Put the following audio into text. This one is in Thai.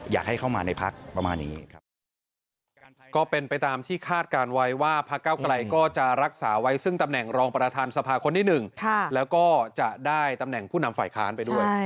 อยากให้เข้ามาในพักประมาณนี้ครับ